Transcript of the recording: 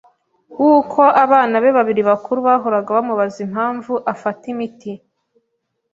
w’uko abana be babiri bakuru bahoraga bamubaza impamvu afata imiti,